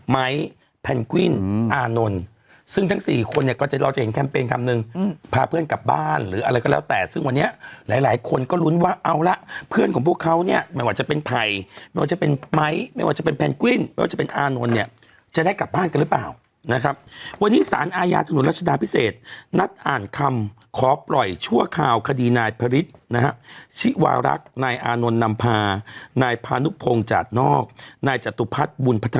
ไม้แพนกวิ้นอานนท์ซึ่งทั้งสี่คนเนี่ยก็จะเราจะเห็นแคมเปญคำนึงพาเพื่อนกลับบ้านหรืออะไรก็แล้วแต่ซึ่งวันเนี้ยหลายหลายคนก็ลุ้นว่าเอาละเพื่อนของพวกเขาเนี้ยไม่ว่าจะเป็นไทยไม่ว่าจะเป็นไม้ไม่ว่าจะเป็นแพนกวิ้นไม่ว่าจะเป็นอานนท์เนี้ยจะได้กลับบ้านกันหรือเปล่านะครับวันนี้สารอายาทนุรัชดาพิเ